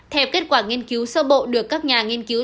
theo kết quả nghiên cứu sơ bộ được các nhà nghiên cứu